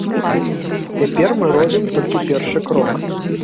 Цяпер мы робім толькі першы крок.